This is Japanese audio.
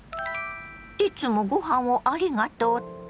いつもごはんをありがとうって？